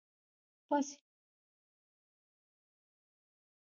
پاسیني وویل: یوه سر پړکمشر مشر خو دوه افسران وو.